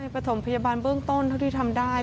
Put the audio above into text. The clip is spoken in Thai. ประถมพยาบาลเบื้องต้นเท่าที่ทำได้